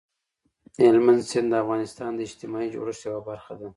هلمند سیند د افغانستان د اجتماعي جوړښت یوه برخه ده.